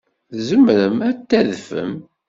Tzemrem ad tadfem.